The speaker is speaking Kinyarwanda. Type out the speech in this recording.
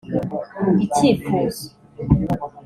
‘Icyifuzo’